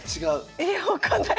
え分かんない。